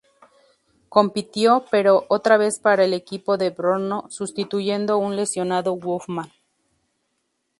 Compitió, pero, otra vez para el equipo en Brno sustituyendo un lesionado Hofmann.